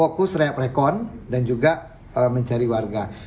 fokus reak rekon dan juga mencari warga